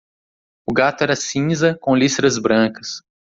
O gato era cinza, com listras brancas.